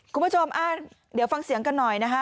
คุณผู้ชมเดี๋ยวฟังเสียงกันหน่อยนะคะ